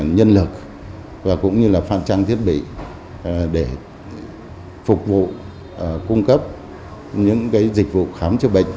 nhân lực và phan trang thiết bị để phục vụ cung cấp những dịch vụ khám chữa bệnh